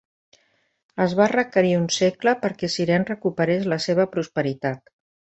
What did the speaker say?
Es va requerir un segle perquè Cirene recuperés la seva prosperitat.